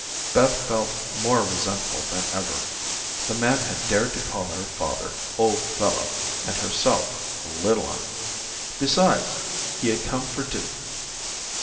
Beth felt more resentful than ever. The man had dared to call her father "old fellow," and herself "little un." Besides, he had come for Duke.